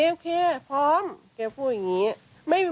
โอเคพร้อมแกพูดอย่างนี้